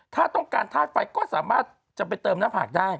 ถ้าต้องการธาตุไฟก็สามารถจะไปเติมหน้าผากได้